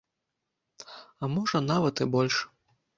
А можа, нават і больш!